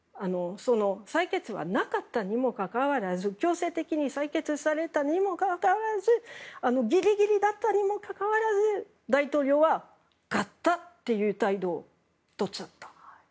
採決はなかったにもかかわらず強制的に採決されたにもかかわらずギリギリだったにもかかわらず大統領は勝ったという態度を取っちゃった。